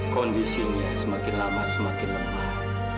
kondisinya semakin lama semakin lemah